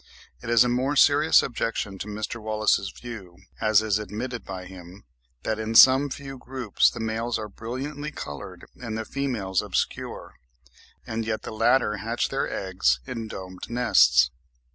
It is a more serious objection to Mr. Wallace's view, as is admitted by him, that in some few groups the males are brilliantly coloured and the females obscure, and yet the latter hatch their eggs in domed nests.